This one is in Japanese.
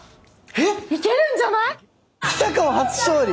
えっ！